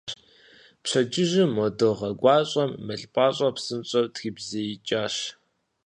Пщэдджыжьым мо дыгъэ гуащӀэм мыл пӀащӀэр псынщӀэу трибзеикӀащ.